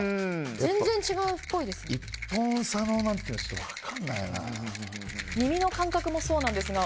全然、違うっぽいですね。